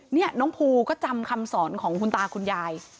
นี่น้องภูก็จำคำสอนของคุณตาคุณยาย